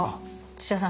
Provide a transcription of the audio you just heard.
土屋さん